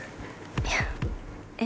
いやえっ。